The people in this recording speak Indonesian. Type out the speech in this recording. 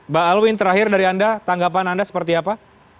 mbak alwin terakhir dari anda tanggapan anda seperti apa